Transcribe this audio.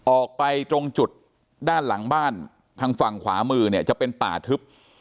ออกไปตรงจุดด้านหลังบ้านทางฝั่งขวามือเนี่ยจะเป็นป่าทึบ